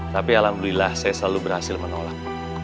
tapi alhamdulillah saya selalu berhasil menolak